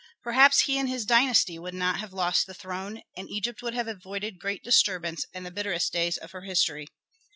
Perhaps he and his dynasty would not have lost the throne, and Egypt would have avoided great disturbance and the bitterest days of her history.